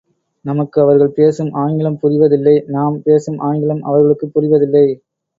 நமக்கு அவர்கள் பேசும் ஆங்கிலம் புரிவதில்லை நாம் பேசும் ஆங்கிலம் அவர்களுக்குப் புரிவதில்லை.